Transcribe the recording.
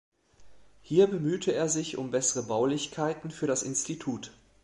Hier bemühte er sich um bessere Baulichkeiten für das Institut.